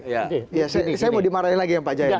saya mau dimarahin lagi ya pak jayo